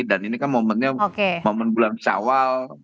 dan ini kan momennya momen bulan pesawal